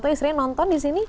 tau istrinya nonton disini